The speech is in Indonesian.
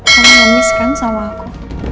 kamu ngemiskan sama aku